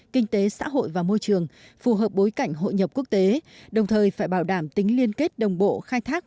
kinh tế xã hội và môi trường phù hợp bối cảnh hội nhập quốc tế đồng thời phải bảo đảm tính liên kết đồng bộ khai thác